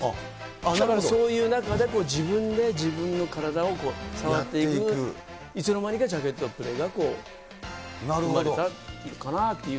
だから、そういう中でも自分で自分の体をこう、触って、いつの間にかジャケットプレーがこう生まれたのかなって思う。